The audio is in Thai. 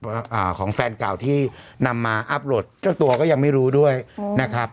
อ่าของแฟนเก่าที่นำมาอัพโหลดเจ้าตัวก็ยังไม่รู้ด้วยนะครับ